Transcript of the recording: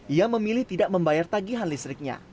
ia memilih tidak membayar tagihan listriknya